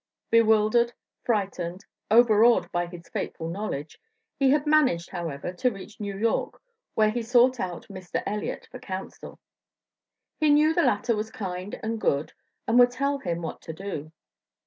Bewildered, frightened, overawed by his fateful knowledge, he had managed, however, to reach New York, where he sought out Mr. Elliott for counsel; he knew the latter was kind and good and would tell him what to do.